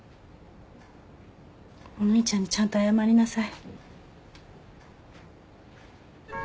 お兄ちゃんにちゃんと謝りなさい。